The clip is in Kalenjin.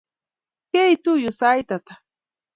Keitu yu sait ata?